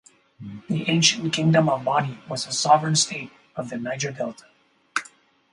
The Ancient Kingdom of Bonny was a sovereign state of the Niger-Delta.